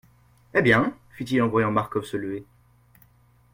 Eh bien ? fit-il en voyant Marcof se lever.